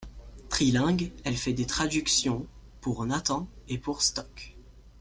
Trilingue, elle fait des traductions, pour Nathan et pour Stock.